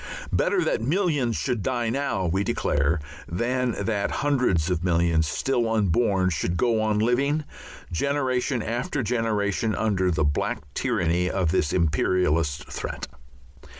Better that millions should die now, we declare, than that hundreds of millions still unborn should go on living, generation after generation, under the black tyranny of this imperialist threat.